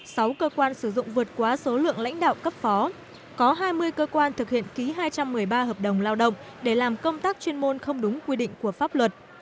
sau cơ quan sử dụng vượt quá số lượng lãnh đạo cấp phó có hai mươi cơ quan thực hiện ký hai trăm một mươi ba hợp đồng lao động để làm công tác chuyên môn không đúng quy định của pháp luật